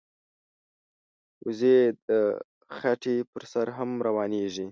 وزې د خټې پر سر هم روانېږي